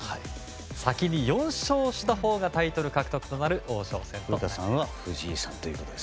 先に４勝したほうがタイトル獲得となる王将戦です。